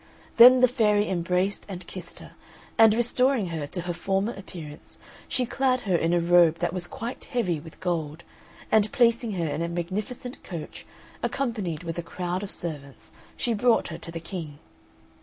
Then the fairy embraced and kissed her; and restoring her to her former appearance, she clad her in a robe that was quite heavy with gold; and placing her in a magnificent coach, accompanied with a crowd of servants, she brought her to the King.